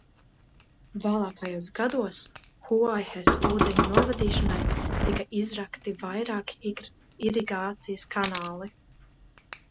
Vēlākajos gados Huaihes ūdeņu novadīšanai tika izrakti vairāki irigācijas kanāli.